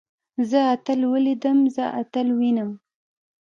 زه اتل وليدلم. زه اتل وينم.